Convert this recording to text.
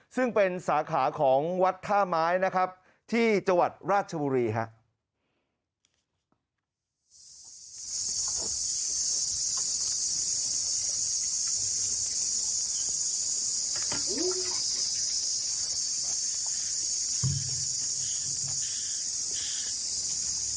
ซึ่งเป็นสาขาของวัดท่าไม้นะครับที่จังหวัดราชบุรีครับ